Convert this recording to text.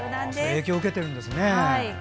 影響を受けているんですね。